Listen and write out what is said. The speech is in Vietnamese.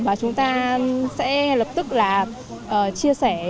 và chúng ta sẽ lập tức là chia sẻ